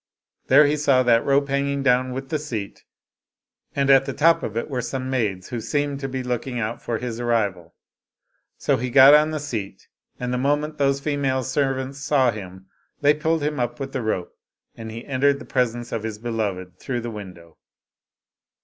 There he saw that rope hanging down with the seat, and at the top of it were some maids, who 119 Oriental Mystery Stories ' seemed to be looking out for his arrival. So He got on to the seat, and the moment those female servants saw him, they pulled him up with the rope, and he entered the pres ence of his beloved through the window.